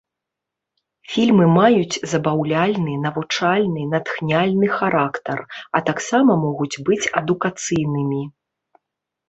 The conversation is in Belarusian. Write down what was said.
Фільмы маюць забаўляльны, навучальны, натхняльны характар, а таксама могуць быць адукацыйнымі.